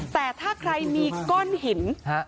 แต่ถ้าใครมีก้อนหิน